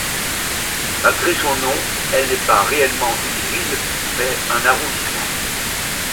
Malgré son nom, elle n'est pas réellement une ville, mais un arrondissement.